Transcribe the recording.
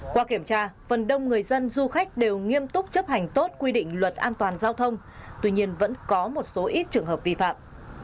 qua kiểm tra phần đông người dân du khách đều nghiêm túc chấp hành tốt quy định luật an toàn giao thông tuy nhiên vẫn có một số ít trường hợp vi phạm